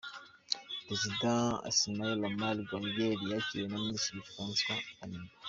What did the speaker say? Perezida Ismaïl Omar Guelleh yakiriwe na Minisitiri François Kanimba.